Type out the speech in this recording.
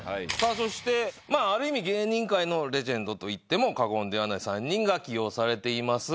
そしてある意味芸人界のレジェンドといっても過言ではない３人が起用されています。